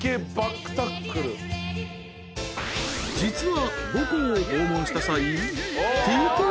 ［実は］